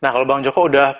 nah kalau bang joko udah